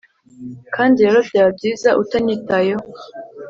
kandi rero byaba byiza utanyitayeho